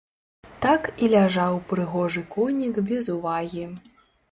Так і ляжаў прыгожы конік без увагі.